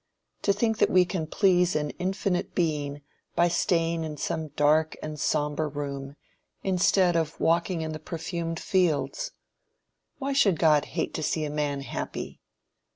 To think that we can please an infinite being by staying in some dark and sombre room, instead of walking in the perfumed fields! Why should God hate to see a man happy?